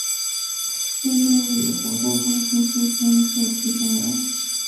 新兴里活动中心新兴社区公园